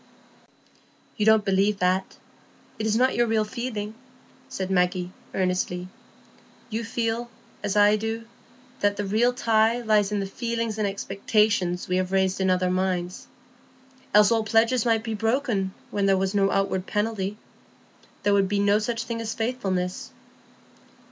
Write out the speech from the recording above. "You don't believe that; it is not your real feeling," said Maggie, earnestly. "You feel, as I do, that the real tie lies in the feelings and expectations we have raised in other minds. Else all pledges might be broken, when there was no outward penalty. There would be no such thing as faithfulness."